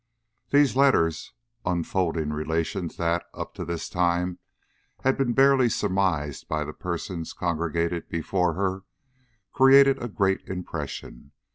These letters, unfolding relations that, up to this time, had been barely surmised by the persons congregated before her, created a great impression.